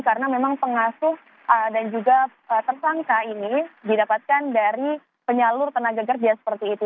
karena memang pengasuh dan juga tersangka ini didapatkan dari penyalur tenaga kerja seperti itu